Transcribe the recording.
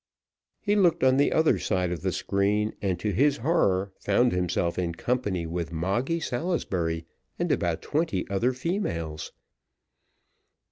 He looked on the other side of the screen, and, to his horror, found himself in company with Moggy Salisbury, and about twenty other females.